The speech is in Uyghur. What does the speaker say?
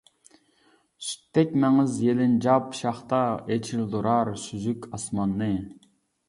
سۈتتەك مەڭز يېلىنجاپ شاختا، ئېچىلدۇرار سۈزۈك ئاسماننى.